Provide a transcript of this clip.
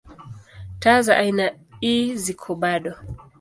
Taa za aina ii ziko bado.